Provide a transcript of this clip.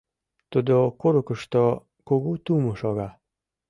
Тудо курыкышто кугу тумо шога.